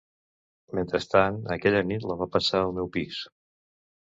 Mentrestant, aquella nit la va passar al meu pis.